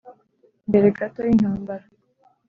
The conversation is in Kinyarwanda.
mbere gato y'intambara,